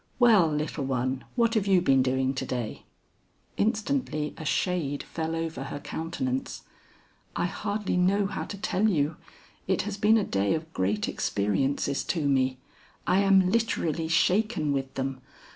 "Well, little one, what have you been doing to day?" Instantly a shade fell over her countenance. "I hardly know how to tell you. It has been a day of great experiences to me. I am literally shaken with them.